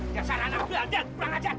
biasa anak buah jangan pulang aja